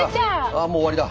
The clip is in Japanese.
あっもう終わりだ。